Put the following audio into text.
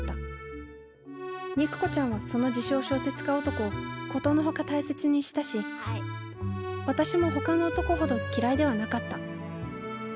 肉子ちゃんはその自称小説家男を殊の外大切にしたし私もほかの男ほど嫌いではなかった。